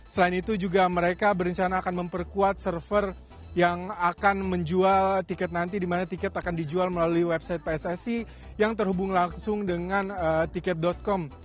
selain itu juga mereka berencana akan memperkuat server yang akan menjual tiket nanti di mana tiket akan dijual melalui website pssi yang terhubung langsung dengan tiket com